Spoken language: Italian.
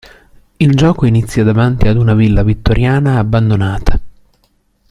Il gioco inizia davanti ad una villa vittoriana abbandonata.